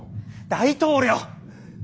大統領！